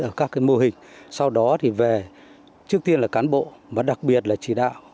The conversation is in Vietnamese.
ở các mô hình sau đó thì về trước tiên là cán bộ và đặc biệt là chỉ đạo